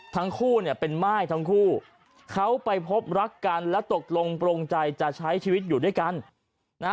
ทั้งคู่เนี่ยเป็นม่ายทั้งคู่เขาไปพบรักกันและตกลงโปรงใจจะใช้ชีวิตอยู่ด้วยกันนะ